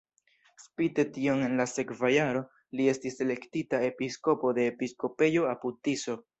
Spite tion en la sekva jaro li estis elektita episkopo de episkopejo apud-Tiso.